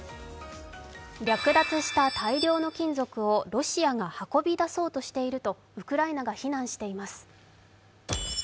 略奪した大量の金属をロシアが運び出そうとしているとウクライナが非難しています。